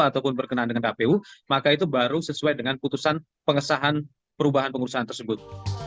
ataupun berkenaan dengan kpu maka itu baru sesuai dengan putusan pengesahan perubahan pengurusan tersebut